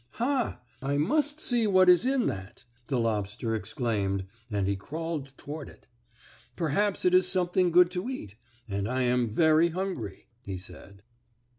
"Ha! I must see what is in that!" the lobster exclaimed and he crawled toward it. "Perhaps it is something good to eat, and I am very hungry," he said.